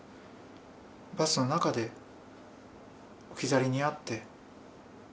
バスの中で置き去りに遭って。